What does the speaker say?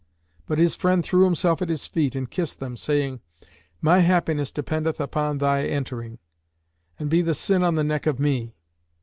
But his friend threw himself at his feet and kissed them, saying, "My happiness dependeth upon thy entering, and be the sin on the neck of me!"